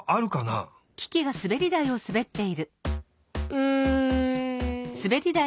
うん。